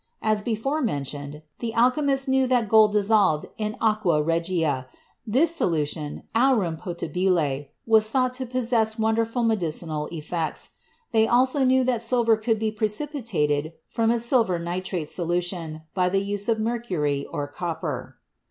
As before mentioned, the alchemists knew that gold dissolved in "aqua regia" ; this solution, "aurum potabile," was thought to possess won derful medicinal effects. They also knew that silver could be precipitated from a silver nitrate solution by the use of mercury or copper.